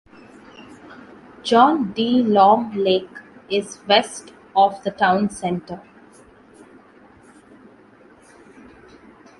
John D. Long Lake is west of the town center.